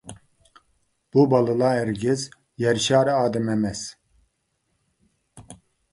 بۇ بالىلار ھەرگىز يەر شارى ئادىمى ئەمەس.